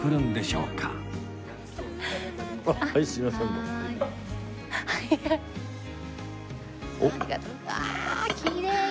うわきれい！